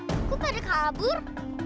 aku pada kabur